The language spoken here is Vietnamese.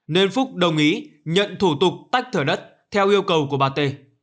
nên phúc đồng ý nhận thủ tục tách thửa đất theo yêu cầu của bà t